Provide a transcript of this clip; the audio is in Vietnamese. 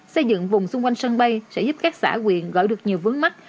xây dựng vùng xung quanh sân bay sẽ giúp các xã quyền gọi được nhiều vướng mắt